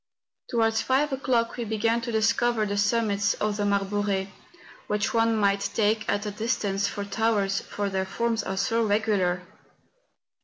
To¬ wards five o'clock we began to discover the summits of the Marbore, which one might take, at a distance, for towers, for their forms are so regular.